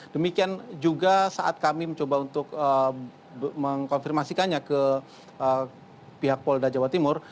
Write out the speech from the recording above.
demikian juga saat kami mencoba untuk mengkonfirmasikannya ke pihak polda jawa timur